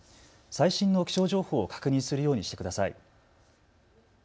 最新の気象情報を確認するようにしてください。